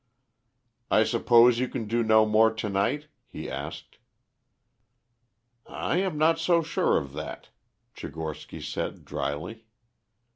"I suppose you can do no more to night?" he asked. "I am not so sure of that," Tchigorsky said dryly.